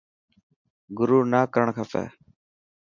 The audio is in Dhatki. گرور نا ڪرڻ کپي.